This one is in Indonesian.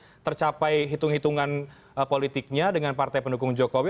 tidak tercapai hitung hitungan politiknya dengan partai pendukung jokowi